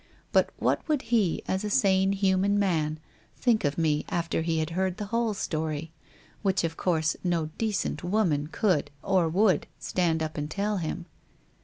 But what would he, as a sane human man, think of me after he had heard the whole story — which of course no decent woman could or would stand up and tell him.